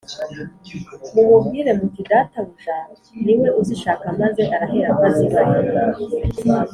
mumubwire muti Databuja ni we uzishaka maze araherako azibahe.”